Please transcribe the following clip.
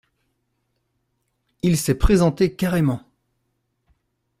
Il s’est présenté carrément…